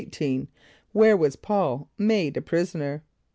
= Where was P[a:]ul made a prisoner?